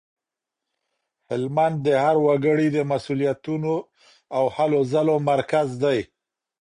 هلمند د هر وګړي د مسولیتونو او هلو ځلو مرکز دی.